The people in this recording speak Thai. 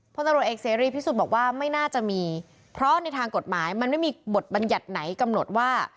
พลตำรวจเอกเสรีพิสุทธิ์บอกว่าไม่น่าจะมีเพราะในทางกฎหมายมันไม่มีบทบัญญัติไหนกำหนดว่า